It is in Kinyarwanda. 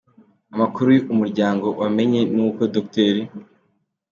Amakuru Umuryango wamenye ni uko Dr.